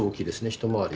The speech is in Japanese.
一回り。